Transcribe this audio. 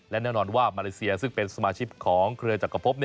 และแน่นอนว่ามาเลเซียซึ่งเป็นสมาชิกของเครือจักรพบ